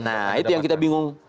nah itu yang kita bingung